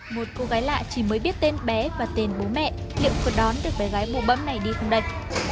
một cô gái lạ chỉ mới biết tên bé và tên bố mẹ liệu thuật đón được bé gái bù bấm này đi không đây